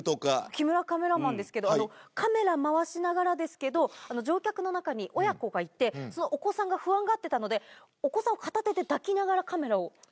木村カメラマンですけどカメラ回しながらですけど乗客の中に親子がいてそのお子さんが不安がってたのでお子さんを片手で抱きながらカメラを。